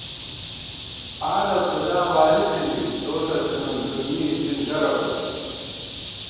حالہ کھُدا واری تھنی تو ݭڅی نُن دُمّی اِڅِن درہ بوت